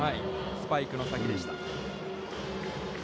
スパイクの先でした。